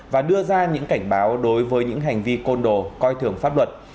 và đưa ra những cảnh báo đối với những hành vi côn đồ coi thường pháp luật